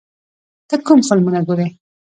ته کوم فلمونه ګورې؟